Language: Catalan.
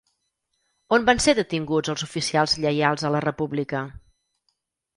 On van ser detinguts els oficials lleials a la República?